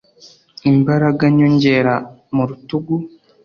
Imbaraga nyongera mu rutugu,